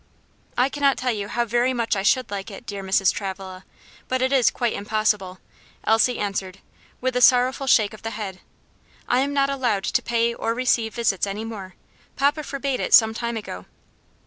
"I cannot tell you how very much I should like it, dear Mrs. Travilla, but it is quite impossible," Elsie answered, with a sorrowful shake of the head. "I am not allowed to pay or receive visits any more; papa forbade it some time ago."